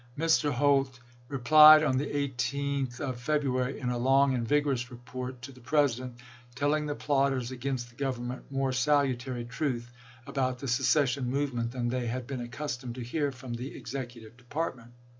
Mr. Holt replied, on the 18th of February, in a long and vigorous report to the President, telling the plotters against the Government more salutary truth about the secession movement than they had been accustomed to hear from the Executive Department.